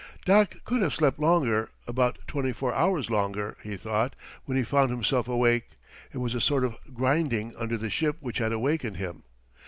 Doc could have slept longer about twenty four hours longer, he thought, when he found himself awake. It was a sort of grinding under the ship which had wakened him.